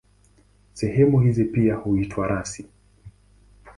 Sehemu hizi pia huitwa rasi.